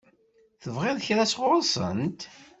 Tebɣiḍ kra sɣur-sent?